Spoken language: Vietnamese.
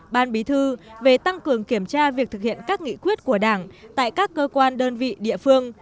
ban bí thư về tăng cường kiểm tra việc thực hiện các nghị quyết của đảng tại các cơ quan đơn vị địa phương